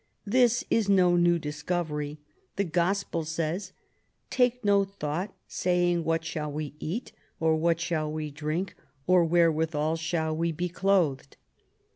This is no new discovery. The Gospel says: "Take no thought, saying, What shall we eat? or What shall we drink? or, Wherewithal shall we be clothed?"